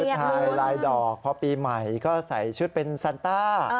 ทายลายดอกพอปีใหม่ก็ใส่ชุดเป็นซันต้า